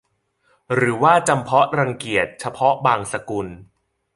หรือว่าจำเพาะรังเกียจเฉพาะบางสกุล ?